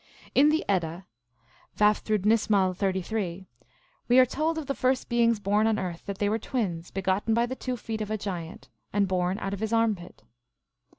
In the Edda (Vafthrudnismal, 33) we are told of the first beings born on earth that they were twins, begotten by the two feet of a giant, and born out of his armpit.